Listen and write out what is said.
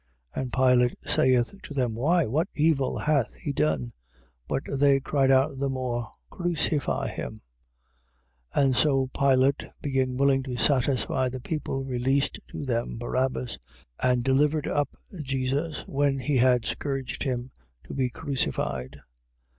15:14. And Pilate saith to them: Why, what evil hath he done? But they cried out the more: Crucify him. 15:15. And so Pilate being willing to satisfy the people, released to them Barabbas: and delivered up Jesus, when he had scourged him, to be crucified.